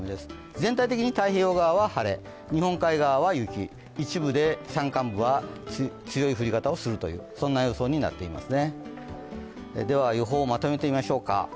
全体的に太平洋側は晴れ、日本海側は雪、一部で山間部は強い降り方をするという、そんな予想になっていますね。